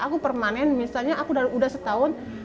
aku permanen misalnya aku udah setahun